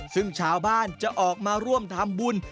ซึ่งชาวบ้านจะออกมาร่วมทำบุญ